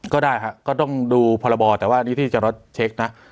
ก็ได้ฮะก็ต้องดูพรบแต่ว่านี่ที่จะลดเช็คนะ